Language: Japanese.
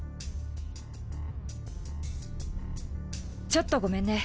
ちょっとごめんね。